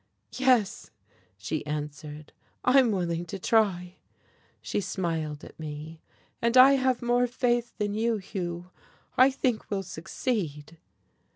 "Yes," she answered, "I'm willing to try." She smiled at me. "And I have more faith than you, Hugh. I think we'll succeed."....